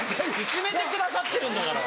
勧めてくださってるんだから。